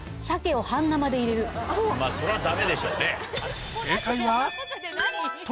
そりゃダメでしょうね。